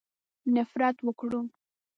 نفرت وکړو.